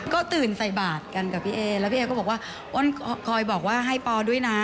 ก็ตื่นใส่บาทกันกับพี่เอแล้วพี่เอก็บอกว่าอ้นคอยบอกว่าให้ปอด้วยนะ